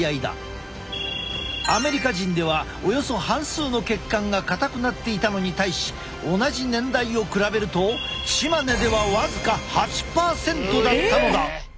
アメリカ人ではおよそ半数の血管が硬くなっていたのに対し同じ年代を比べるとチマネでは僅か８％だったのだ。